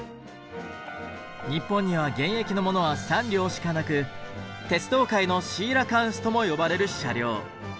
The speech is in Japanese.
日本には現役のものは３両しかなく「鉄道界のシーラカンス」とも呼ばれる車両。